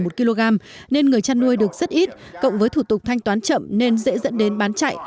một kg nên người chăn nuôi được rất ít cộng với thủ tục thanh toán chậm nên dễ dẫn đến bán chạy